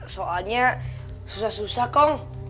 soalnya susah susah kong